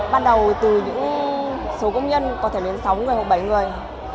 ban đầu từ những số công nhân có thể đến sáu người hoặc bảy người